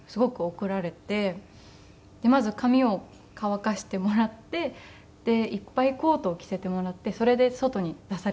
まず髪を乾かしてもらっていっぱいコートを着せてもらってそれで外に出されました。